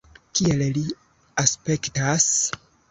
Kiel li aspektas?